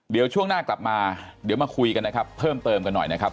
เดี๋ยวช่วงหน้ากลับมาเดี๋ยวมาคุยกันนะครับเพิ่มเติมกันหน่อยนะครับ